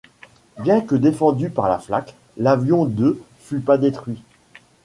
Bien que défendu par la flak, l'avion de fut pas détruit.